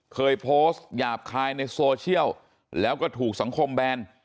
เคยโพสต์หยาบคายในโซเชียลแล้วก็ถูกสังคมแบน